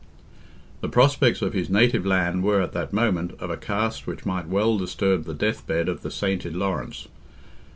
The prospects of his native land were, at that moment, of a cast which might well disturb the death bed of the sainted Laurence.